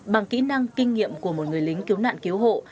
bằng kỹ năng kinh nghiệm của một người lính cứu nạn cứu hộ